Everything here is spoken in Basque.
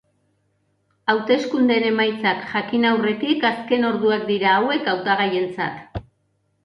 Hauteskundeen emaitzak jakin aurretik azken orduak dira hauek hautagaientzat.